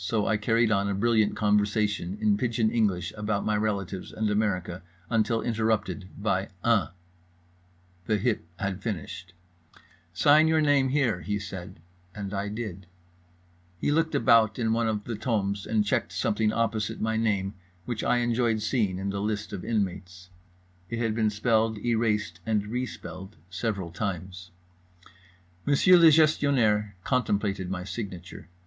—so I carried on a brilliant conversation in pidgeon English about my relatives and America until interrupted by "Uh." The hip had finished. "Sign your name, here," he said, and I did. He looked about in one of the tomes and checked something opposite my name, which I enjoyed seeing in the list of inmates. It had been spelled, erased, and re spelled several times. Monsieur le Gestionnaire contemplated my signature.